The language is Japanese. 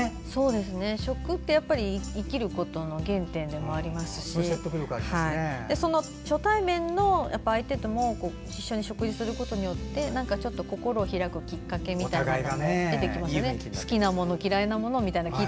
食って生きることの原点でもありますし初対面の相手とも一緒に食事することによって心を開くきっかけが出てきますよね。